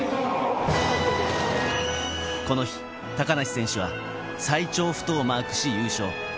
この日、高梨選手は最長不倒をマークし、優勝。